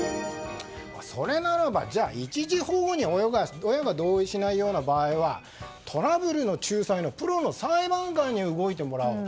それならば、じゃあ一時保護に親が同意しないような場合はトラブルの仲裁のプロの裁判官に動いてもらおう。